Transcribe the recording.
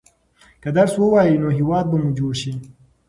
که درس ووايئ نو هېواد به مو جوړ شي.